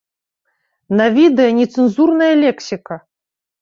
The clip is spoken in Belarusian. На відэа нецэнзурная лексіка!